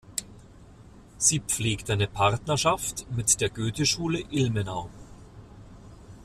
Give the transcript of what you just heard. Sie pflegt eine Partnerschaft mit der Goetheschule Ilmenau.